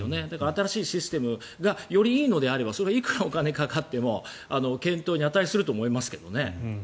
新しいシステムがよりいいのであればそれはいくらお金がかかっても検討に値すると思いますけどね。